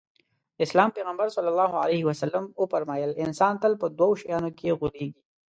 د اسلام پيغمبر ص وفرمايل انسان تل په دوو شيانو کې غولېږي.